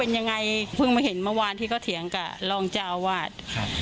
เห็นเมื่อเมื่อเย็นเย็นเมื่อเย็นเพิ่งมาเห็นเมื่อวานที่เขาเถี๋ยังกับรองเจ้าอาวาส